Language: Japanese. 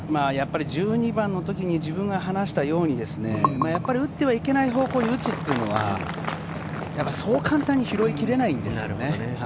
１２番のときに自分が話したように、打ってはいけない方向に打つというのは、そう簡単に拾いきれないですよね。